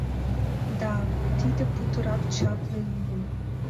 Да, тиде путырак чапле лийын.